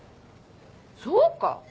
そうか！